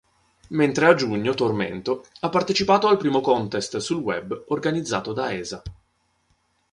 Mentre a giugno Tormento ha partecipato al primo Contest sul web, organizzato da Esa.